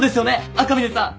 赤嶺さん。